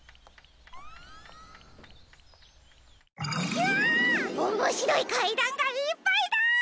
ひゃおもしろいかいだんがいっぱいだ！